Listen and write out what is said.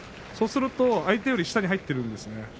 そうすると相手より下に入っているんですね。